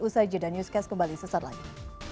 usai jeda newscast kembali sesaat lagi